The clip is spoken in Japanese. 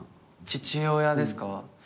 父親ですか？